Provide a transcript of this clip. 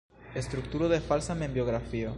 Strukturo de falsa membiografio.